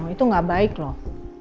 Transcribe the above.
itu gak baik loh